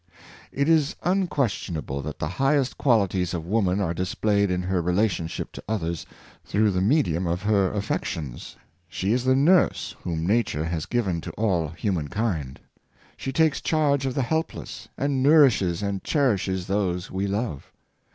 It is unquestionable that the highest qualities of woman are displayed in her relationship to others, through the medium of her affections. She is the nurse whom nature has given to all humankind. She takes charge of the helpless, and nourishes and cherishes those we love.